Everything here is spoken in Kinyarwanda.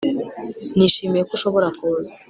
nishimiye ko ushobora kuza